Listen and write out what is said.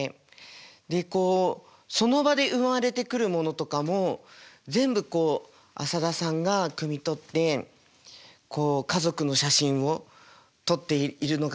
でこうその場で生まれてくるものとかも全部こう浅田さんがくみ取ってこう家族の写真を撮っているのがすごく印象的でした。